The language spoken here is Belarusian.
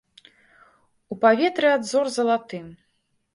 У паветры ад зор залатым.